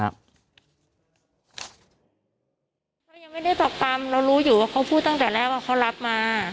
เขายังไม่ได้ปรับปรำเรารู้อยู่ว่าเขาพูดตั้งแต่แรกว่าเขารับมา